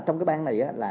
trong cái bang này là